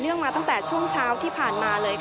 พาคุณผู้ชมไปติดตามบรรยากาศกันที่วัดอรุณราชวรรมหาวิหารค่ะ